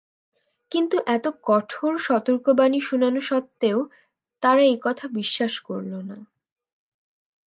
কিন্তু এত কঠোর সতর্কবাণী শুনানো সত্ত্বেও তারা এ কথা বিশ্বাস করল না।